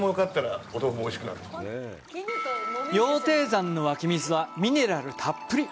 羊蹄山の湧き水は、ミネラルたっぷり！